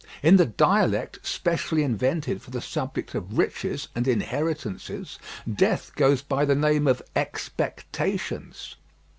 In the dialect specially invented for the subject of riches and inheritances, death goes by the name of "expectations."